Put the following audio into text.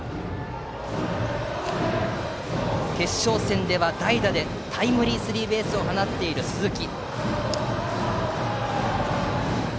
決勝戦では代打でタイムリースリーベースを放っている、鈴木。